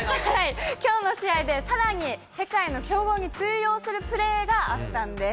きょうの試合でさらに世界の強豪に通用するプレーがあったんです。